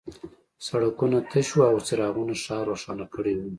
سړکونه تش وو او څراغونو ښار روښانه کړی و